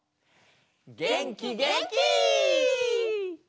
げんきげんき！